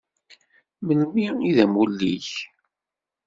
Melmi i d amulli-k?